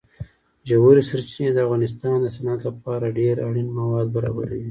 ژورې سرچینې د افغانستان د صنعت لپاره ډېر اړین مواد برابروي.